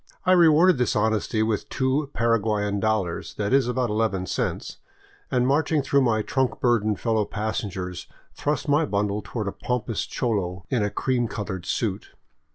I rewarded his honesty with two Para guayan dollars, — that is, about eleven cents, — and marching through my trunk burdened fellow passengers, thrust my bundle toward a pompous cholo in a cream colored suit.